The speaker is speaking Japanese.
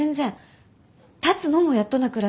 立つのもやっとなくらいで。